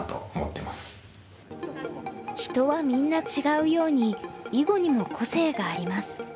人はみんな違うように囲碁にも個性があります。